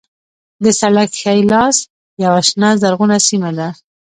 د سړک ښی لاس یوه شنه زرغونه سیمه ده.